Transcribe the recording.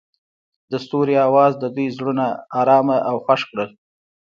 د ستوري اواز د دوی زړونه ارامه او خوښ کړل.